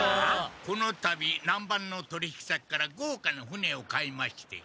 このたび南蛮の取引先からごうかな船を買いまして。